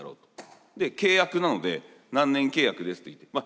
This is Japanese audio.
で契約なので何年契約ですといって。